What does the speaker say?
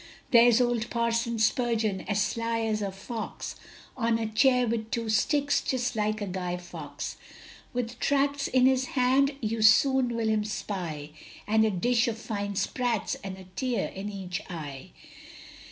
There's old Parson Spurgeon, as sly as a fox, On a chair with two sticks, just like a Guy Faux; With tracts in his hand, you soon will him spy, And a dish of fine sprats and a tear in each eye.